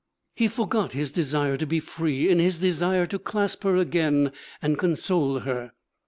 He forgot his desire to be free in his desire to clasp her again and console her.